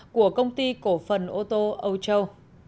của công ty cổ phần ô tô âu châu